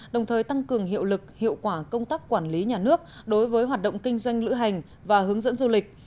đồng thời tăng cường hiệu lực hiệu quả công tác quản lý nhà nước đối với hoạt động kinh doanh lữ hành và hướng dẫn du lịch